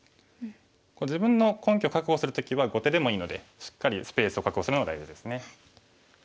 自分の根拠を確保する時は後手でもいいのでしっかりスペースを確保するのが大事ですね。